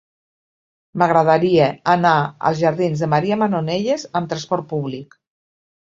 M'agradaria anar als jardins de Maria Manonelles amb trasport públic.